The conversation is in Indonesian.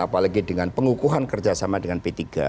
apalagi dengan pengukuhan kerjasama dengan p tiga